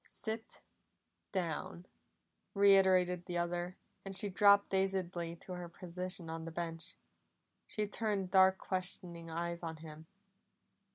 "Sit down!" reiterated the other, and she dropped dazedly to her position on the bench. She turned dark questioning eyes on him.